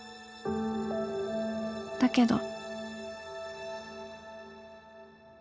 「だけど」。